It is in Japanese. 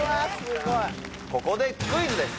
ここでクイズです